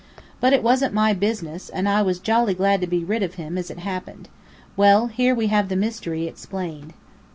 But it wasn't my business, and I was jolly glad to be rid of him as it happened. Well, here we have the mystery explained."